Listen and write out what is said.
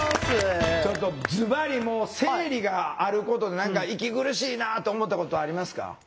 ちょっとずばりもう生理があることで何か息苦しいなと思ったことありますか？